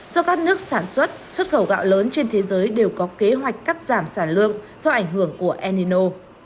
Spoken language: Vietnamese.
do các nước sản xuất xuất khẩu gạo lớn trên thế giới đều có kế hoạch cắt giảm sản lượng do ảnh hưởng của enino